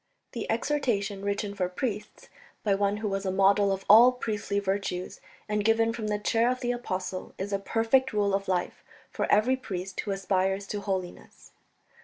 The exhortation, written for priests, by one who was a model of all priestly virtues, and given from the chair of the Apostle, is a perfect rule of life for every priest who aspires to holiness.